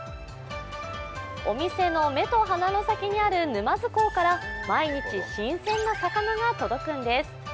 お店の目と鼻の先にある沼津港から毎日、新鮮な魚が届くんです。